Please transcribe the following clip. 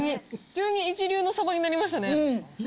急に一流のサバになりましたね。